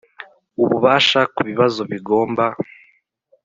Ububasha ku bibazo bigomba